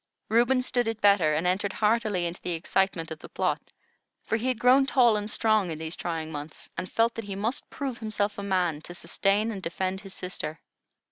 Reuben stood it better, and entered heartily into the excitement of the plot; for he had grown tall and strong in these trying months, and felt that he must prove himself a man to sustain and defend his sister.